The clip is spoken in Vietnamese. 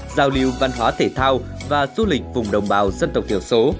giao lưu văn hóa thể thao và du lịch vùng đồng bào dân tộc thiểu số